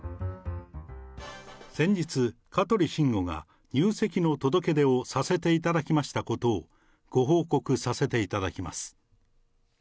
先日、香取慎吾が入籍の届け出をさせていただきましたことを、ご報告させていただきます。